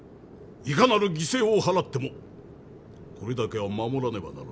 いかなる犠牲を払ってもこれだけは守らねばならぬ。